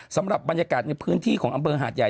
สำหรับบรรยากาศในพื้นที่ของอำเภอหาดใหญ่